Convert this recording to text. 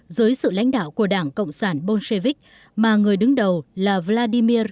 dưới sự lãnh đạo của đảng cộng sản bolshevik mà người đứng đầu là vladimir ilyich lenin